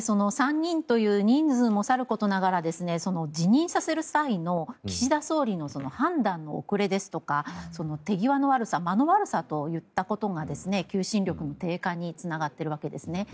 ３人という人数もさることながら辞任させる際の岸田総理の判断の遅れですとか手際の悪さ間の悪さといったことが求心力の低下につながっているわけですね。